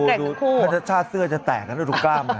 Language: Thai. ใหญ่ทั้งชาติเสื้อจะแตกอ่ะนี่รูปกร้ามล่ะ